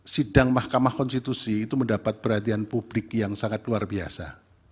sidang mahkamah konstitusi itu mendapat perhatian publik yang sangat luar biasa